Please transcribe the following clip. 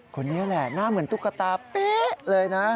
คนนี้แหละหน้าเหมือนตุ๊กตาเป๊ะเลยนะ